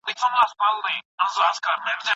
بېغږه